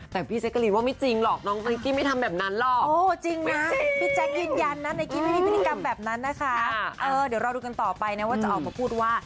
แต่พี่แจ๊กเกอรี่ว่าไม่จริงหรอก